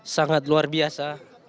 sangat luar biasa